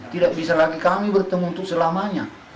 tidak bisa lagi kami bertemu untuk selamanya